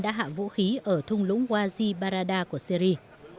đã hạ vũ khí ở thung lũng wadi barada của syri